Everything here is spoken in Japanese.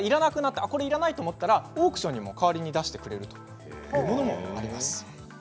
これ、いらないと思ったらオークションにも代わりに出してくれるというのもあります。